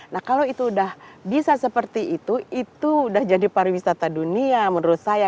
nah kalau itu udah bisa seperti itu itu udah jadi pariwisata dunia menurut saya